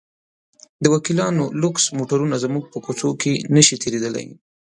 د وکیلانو لوکس موټرونه زموږ په کوڅه کې نه شي تېرېدلی.